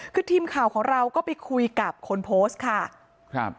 คือทีมข่าวของเราก็ไปคุยกับคนโพสต์ค่ะครับ